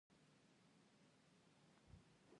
د ژبې خدمت په نړیوالو معیارونو دی.